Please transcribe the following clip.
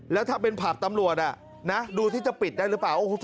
แล้วถ้าเป็นผับตำรวจดูที่จะปิดได้หรือเปล่า